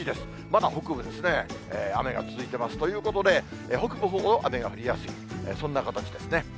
また北部ですね、雨が続いています。ということで、北部ほど雨が降りやすい、そんな形ですね。